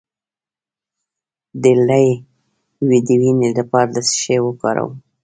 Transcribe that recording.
د لۍ د وینې لپاره د څه شي اوبه وکاروم؟